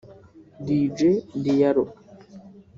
Dj Diallo